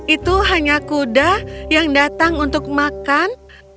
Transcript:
itu hanya kuda yang datang untuk makan